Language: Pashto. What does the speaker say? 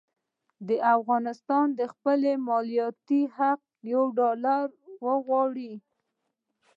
که افغانستان د خپل مالیاتي حق یو ډالر وغواړي.